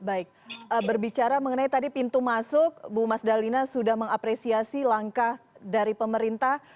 baik berbicara mengenai tadi pintu masuk bu mas dalina sudah mengapresiasi langkah dari pemerintah